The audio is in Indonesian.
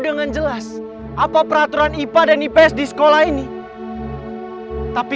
karena satupun diantara kalian